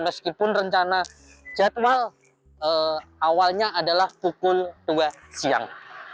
meskipun rencana jadwal awalnya adalah pukul dua siang